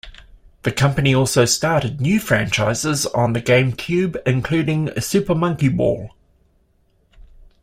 The company also started new franchises on the GameCube including "Super Monkey Ball".